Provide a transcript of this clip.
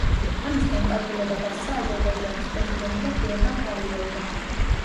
ამის განკარგულება გასცა აზერბაიჯანის პრეზიდენტმა ილჰამ ალიევმა.